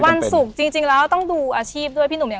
วันสุขจริงแล้วต้องดูอาชีพด้วยพี่หนุ่ม